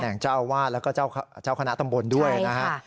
แหน่งเจ้าวาดและเจ้าคณะตำบลด้วยนะครับ